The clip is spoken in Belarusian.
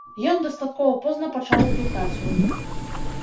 Ён дастаткова позна пачаў адукацыю.